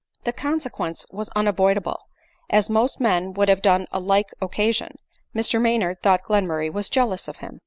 The consequence was unavoidable ; as most men would have done on a like occasion, Mr Maynard thought Glenmurray was jealous of him.